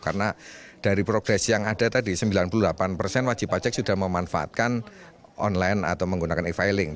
karena dari progres yang ada tadi sembilan puluh delapan persen wajib pajak sudah memanfaatkan online atau menggunakan e filing